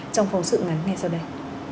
trong phòng sự ngày hôm nay